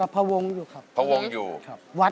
พ่อวงอยู่ครับ